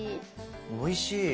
おいしい。